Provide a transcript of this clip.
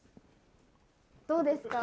どうですか？